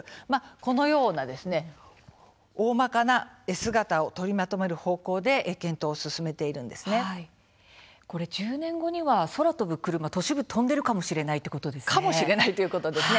このようなおおまかな絵姿を取りまとめる方向で１０年後には空飛ぶクルマが都市部を飛んでいるかもしれないかもしれないですね。